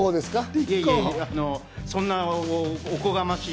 いえいえ、そんなおこがましい。